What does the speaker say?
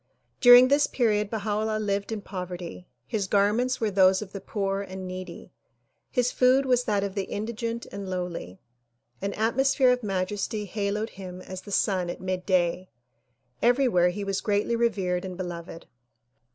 During this period Baha 'Ullah lived in poverty. His garments were those of the poor and needy His food was that of the indigent and lowly. An atmosphere of majesty haloed him as the sun at midday. Everywhere he was greatly revered and beloved.